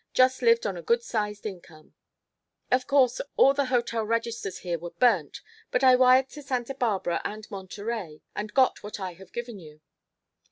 Just lived on a good sized income. Of course, all the hotel registers here were burnt, but I wired to Santa Barbara and Monterey and got what I have given you.